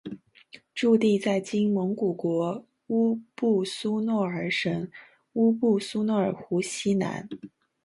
驻地在今蒙古国乌布苏诺尔省乌布苏诺尔湖西南。